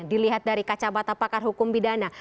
dilihat dari kacamata pakar hukum pidana